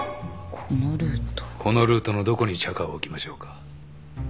このルートのどこにチャカを置きましょうか？